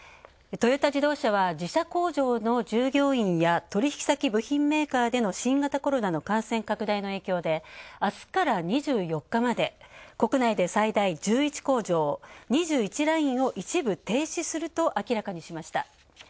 トヨタ自動車は自社工場の従業員や取引先部品メーカーの新型コロナの感染拡大の影響で、あすから２４日まで国内で最大１１工場２１ラインを一部停止すると明らかにしました。